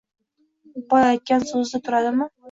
Boy aytgan so‘zida turadimi?